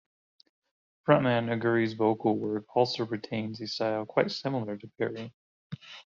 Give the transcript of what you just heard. Frontman Augeri's vocal work also retains a style quite similar to Perry.